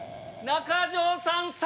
中条さん